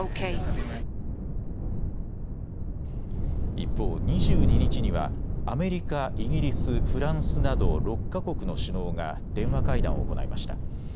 一方、２２日にはアメリカ、イギリス、フランスなど６か国の首脳が電話会談を行いました。